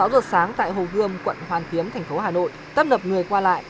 sáu giờ sáng tại hồ gươm quận hoàn kiếm thành phố hà nội tấp nập người qua lại